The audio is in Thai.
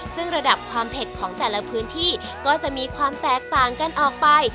ซึ่งระดับความเผ็ดของแต่ละพื้นที่ก็จะมีความแตกต่างกันออกไป